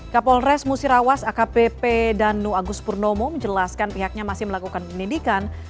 kapolres musirawas akpp dan nu agus purnomo menjelaskan pihaknya masih melakukan penelitikan